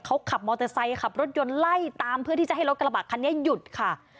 เขาขับมอเตอร์ไซค์ขับรถยนต์ไล่ตามเพื่อที่จะให้รถกระบะคันนี้หยุดค่ะ